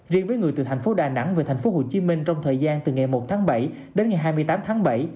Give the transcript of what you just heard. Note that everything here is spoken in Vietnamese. riêng với người từ thành phố đà nẵng về tp hcm trong thời gian từ ngày một tháng bảy đến ngày hai mươi tám tháng bảy